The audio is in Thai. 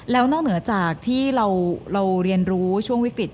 แล้วนอกเหนือจากที่เราเรียนรู้ช่วงวิกฤต